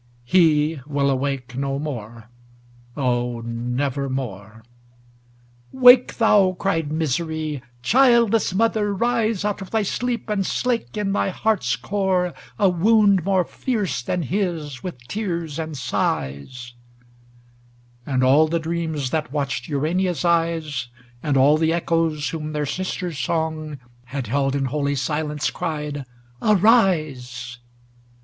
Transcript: XXII He will awake no more, oh, never more ! 'Wake thou,' cried Misery, 'childless Mother, rise Out of thy sleep, and slake, in thy heart's core, A wound more fierce than his with tears and sighs,' 312 ADONAIS And all the Dreams that watched Ura nia's eyes, And all the Echoes whom their sister's song Had held in holy silence, cried, * Arise